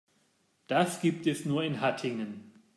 Das gibt es nur in Hattingen